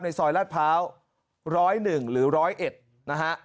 ซอยลาดพร้าว๑๐๑หรือ๑๐๑นะฮะ